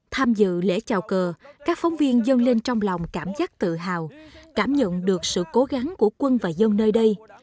tham dự lễ chào cờ các phóng viên dâng lên trong lòng cảm giác tự hào cảm nhận được sự cố gắng của quân và dân nơi đây